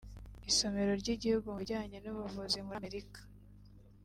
Isomero ry’igihugu mu bijyanye n’ubuvuzi muri Amerika